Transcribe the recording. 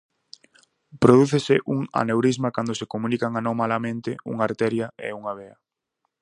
Prodúcese un aneurisma cando se comunican anomalamente unha arteria e unha vea.